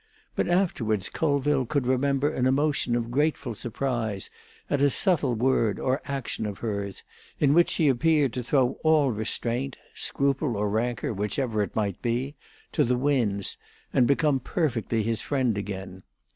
But afterwards Colville could remember an emotion of grateful surprise at a subtle word or action of hers in which she appeared to throw all restraint—scruple or rancour, whichever it might be—to the winds, and become perfectly his friend again.